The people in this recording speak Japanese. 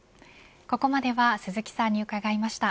ここまでは鈴木さんに伺いました。